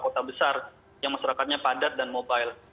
kota besar yang masyarakatnya padat dan mobile